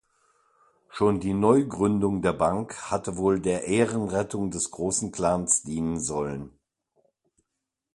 Schon die Neugründung der Bank hatte wohl der Ehrenrettung des großen Clans dienen sollen.